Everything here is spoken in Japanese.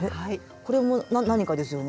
これも何かですよね